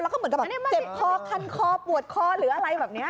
แล้วก็เหมือนกับแบบเจ็บคอคันคอปวดคอหรืออะไรแบบนี้